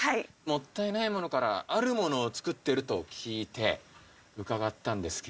もったいないものからあるものを作ってると聞いて伺ったんですけれども。